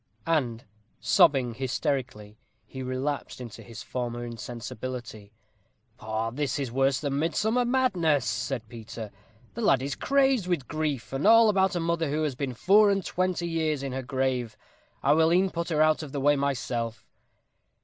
And, sobbing hysterically, he relapsed into his former insensibility. "Poh! this is worse than midsummer madness," said Peter; "the lad is crazed with grief, and all about a mother who has been four and twenty years in her grave. I will e'en put her out of the way myself."